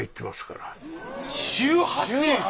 週８！？